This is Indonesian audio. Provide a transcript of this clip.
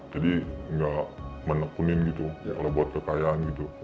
jadi nggak menekunin gitu kalau buat kekayaan gitu